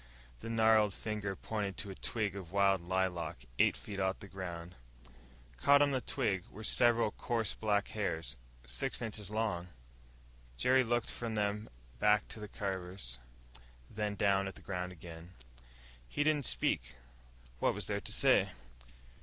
The gnarled finger pointed to a twig of wild lilac eight feet off the ground. Caught on the twig were several coarse black hairs, six inches long. Jerry looked from them back to the Carvers, then down at the ground again. He didn't speak. What was there to say?